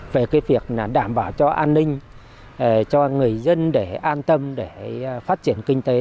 về cái việc đảm bảo cho an ninh cho người dân để an tâm để phát triển kinh tế